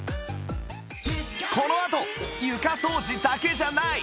このあと床掃除だけじゃない！